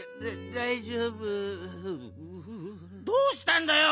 どうしたんだよ？